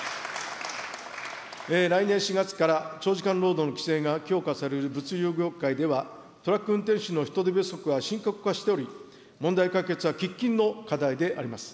来年４月から長時間労働の規制が強化される物流業界では、トラック運転手の人手不足が深刻化しており、問題解決は喫緊の課題であります。